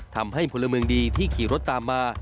ทำให้พลเมืองดีที่ขี่รถตามมา